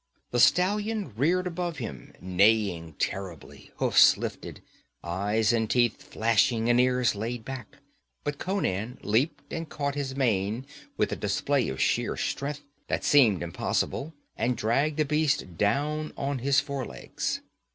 The stallion reared above him, neighing terribly, hoofs lifted, eyes and teeth flashing and ears laid back, but Conan leaped and caught his mane with a display of sheer strength that seemed impossible, and dragged the beast down on his forelegs.